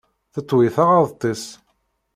Teṭwi taɣaḍt-is.